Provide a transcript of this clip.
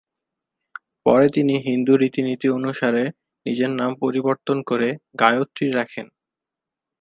পরে তিনি হিন্দু রীতিনীতি অনুসারে নিজের নাম পরিবর্তন করে গায়ত্রী রাখেন।